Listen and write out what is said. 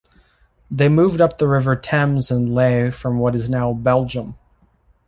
They moved up the rivers Thames and Lea from what is now Belgium.